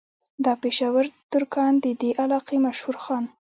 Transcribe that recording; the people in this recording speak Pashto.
دا پېشه ور ترکاڼ د دې علاقې مشهور خان